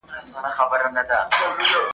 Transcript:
سدۍ سوې چي تربور یې په دښمن دی غلط کړی ..